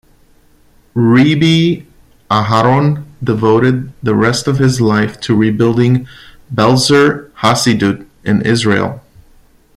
Rebbe Aharon devoted the rest of his life to rebuilding Belzer Hasidut in Israel.